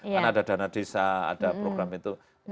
karena ada dana desa ada program itu